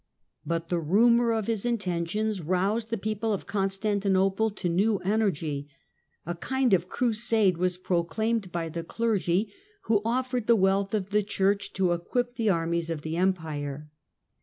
But the rumour of his intentions roused the teople of Constantinople to new energy. A kind of rusade was proclaimed by the clergy, who offered the /ealth of the Church to equip the armies of the 73 74 THE DAWN OF MEDIEVAL EUROPE Empire.